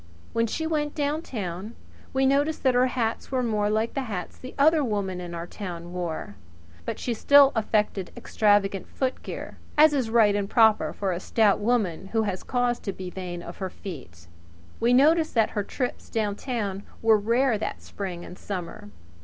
When she went down town we noticed that her hats were more like the hats the other women in our town wore; but she still affected extravagant footgear, as is right and proper for a stout woman who has cause to be vain of her feet. We noticed that her trips down town were rare that spring and summer.